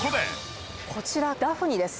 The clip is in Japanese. こちらダフニです。